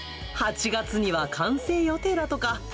８月には完成予定だとか。